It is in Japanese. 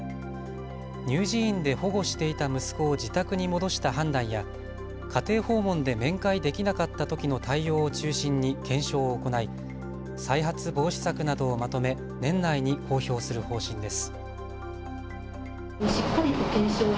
乳児院で保護していた息子を自宅に戻した判断や家庭訪問で面会できなかったときの対応を中心に検証を行い再発防止策などをまとめ年内に公表する方針です。